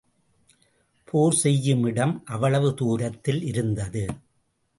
போர் செய்யும் இடம் அவ்வளவு தூரத்தில் இருந்தது.